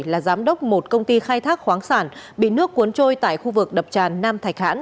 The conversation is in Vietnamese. là giám đốc một công ty khai thác khoáng sản bị nước cuốn trôi tại khu vực đập tràn nam thạch hãn